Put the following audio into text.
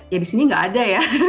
ya di sini nggak ada ya